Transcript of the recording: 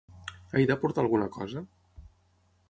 He de portar alguna cosa?